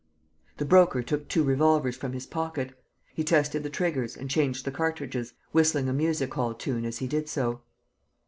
The Broker took two revolvers from his pocket. He tested the triggers and changed the cartridges, whistling a music hall tune as he did so.